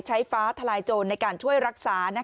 ฟ้าทลายโจรในการช่วยรักษา